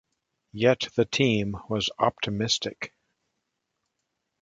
Yet, the team was optimistic.